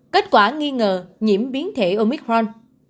kết quả nghi ngờ nhiễm biến thể omicron